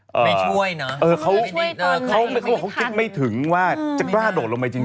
ไม่ช่วยเนอะเขาคิดไม่ถึงว่าจะกล้าโดดลงไปจริง